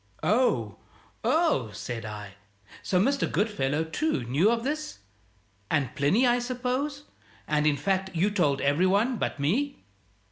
"Oh, oh!" said I. "So Mr. Goodfellow, too, knew of this? And Plinny, I suppose? And, in fact, you told every one but me?"